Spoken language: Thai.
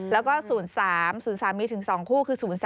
แล้วก็๐๓มีถึง๒คู่